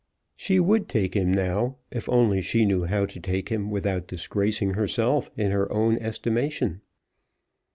She would take him now, if only she knew how to take him without disgracing herself in her own estimation.